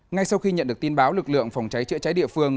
ngay sau khi nhận được tin báo lực lượng phòng cháy chữa cháy địa phương